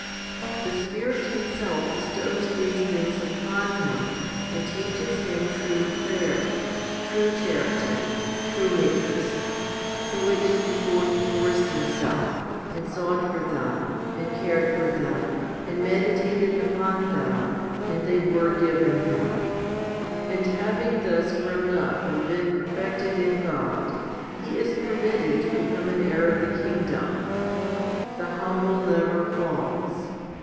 8. The Spirit Himself bestows these things upon him, and teaches him true prayer, true charity, true meekness, to which before he forced himself, and sought for them, and cared for them, and meditated upon them, and they were given him ; and having thus grown up and been perfected in God, he is permitted to become an heir of the kingdom. The humble never falls.